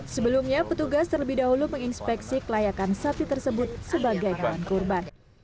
sebelumnya petugas terlebih dahulu menginspeksi kelayakan sapi tersebut sebagai hewan kurban